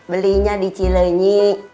belinya di cileni